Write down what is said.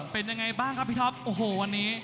เป็นยังไงบ้างครับพี่ท็อปโอ้โหวันนี้